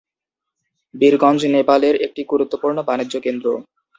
বীরগঞ্জ নেপালের একটি গুরুত্বপূর্ণ বাণিজ্য কেন্দ্র।